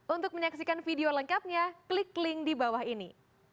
untuk menyaksikan video lengkapnya klik link di bawah ini